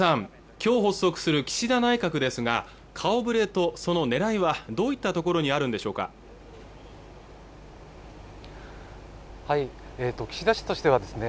今日発足する岸田内閣ですが顔ぶれとその狙いはどういったところにあるんでしょうか岸田氏としてはですね